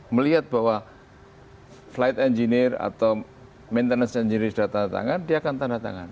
melihat bahwa flight engineer atau maintenance engineering sudah tanda tangan dia akan tanda tangan